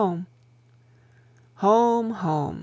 Home! Home!